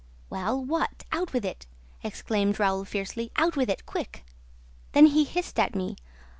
"Well, what? Out with it!" exclaimed Raoul fiercely. "Out with it, quick!" "Then he hissed at me.